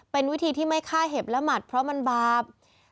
เป็นวิธีที่ไม่ฆ่าเห็บและหมัดเพราะมันบาป